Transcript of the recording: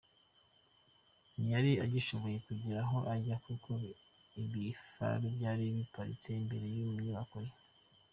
Ntiyari agishoboye kugira aho ajya kuko ibifaru byari biparitse imbere y’inyubako ye.